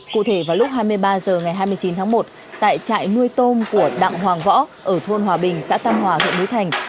cụ thể vào lúc hai mươi ba h ngày hai mươi chín tháng một tại trại nuôi tôm của đặng hoàng võ ở thôn hòa bình xã tam hòa huyện núi thành